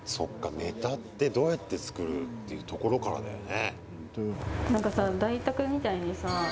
ネタってどうやって作るっていうところからだよね。